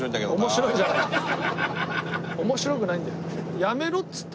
面白くないんだよ。